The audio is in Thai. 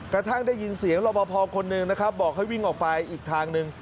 กระทั่งได้ยินเสียงรอบพอคนหนึ่งนะครับบอกให้วิ่งออกไปอีกทางหนึ่ง